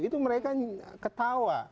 itu mereka ketawa